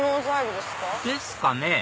ですかね